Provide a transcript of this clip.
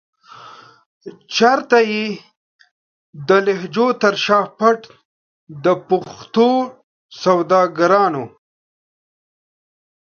چيري یاست د لهجو تر شا پټ د پښتو سوداګرانو؟